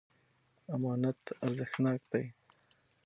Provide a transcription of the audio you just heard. امانت ارزښتناک دی.